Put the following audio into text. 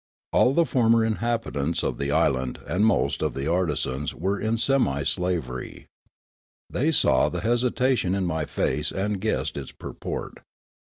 All the former in habitants of the island and most of the artisans were in semi slavery. They saw the hesitation in my face and guessed its purport.